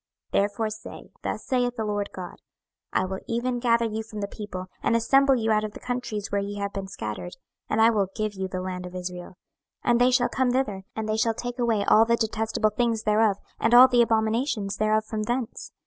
26:011:017 Therefore say, Thus saith the Lord GOD; I will even gather you from the people, and assemble you out of the countries where ye have been scattered, and I will give you the land of Israel. 26:011:018 And they shall come thither, and they shall take away all the detestable things thereof and all the abominations thereof from thence.